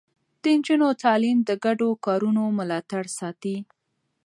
د نجونو تعليم د ګډو کارونو ملاتړ ساتي.